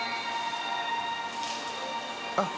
あっ！